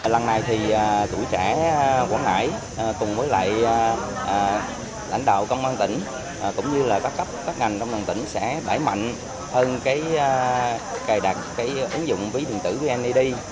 lần này thì tuổi trẻ quảng ngãi cùng với lại lãnh đạo công an tỉnh cũng như các cấp các ngành trong đoàn tỉnh sẽ đẩy mạnh hơn cài đặt ứng dụng ví điện tử vneid